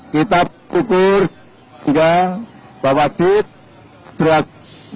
kita berpukul sehingga bahwa di berat